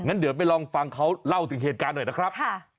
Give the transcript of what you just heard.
เดี๋ยวไปลองฟังเขาเล่าถึงเหตุการณ์หน่อยนะครับ